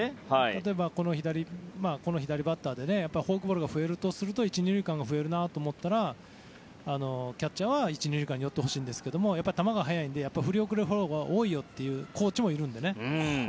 例えば、この左バッターでフォークボールが増えるとすると１、２塁間が増えると思うとキャッチャーは１、２塁間に寄ってほしいんですが球が速いと振り遅れることが多いよというコーチもいますので。